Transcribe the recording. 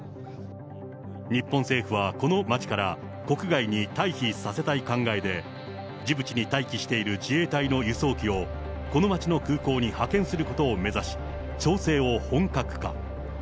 日本政府はこの町から国外に退避させたい考えで、ジブチに待機している自衛隊の輸送機をこの町の空港に派遣することを目指し、調整を本格化。